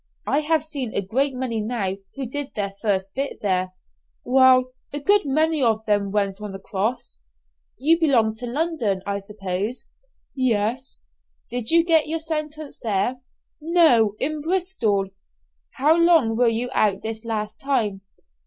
I have seen a great many now who did their first bit there." "Well, a good many of them went on the cross." "You belong to London, I suppose?" "Yes." "Did you get your sentence there?" "No, in Bristol." "How long were you out this last time?"